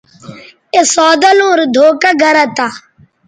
اے سادہ لوں رے دھوکہ گرہ تھہ